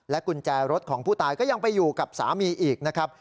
กุญแจรถของผู้ตายก็ยังไปอยู่กับสามีอีกนะครับ